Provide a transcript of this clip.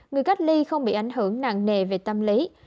người cách ly không bị ảnh hưởng nặng nề về tâm lý